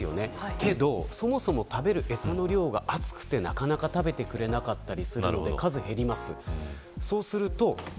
けど、そもそも餌の量を暑くてなかなか食べてくれなくなるので数が減ります。